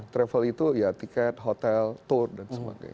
travel itu ya tiket hotel tour dan sebagainya